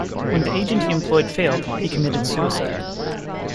When the agent he employed failed, he committed suicide.